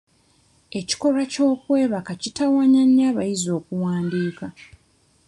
Ekikolwa ky'okwebaka kitawaanya nnyo abayizi okuwandiika.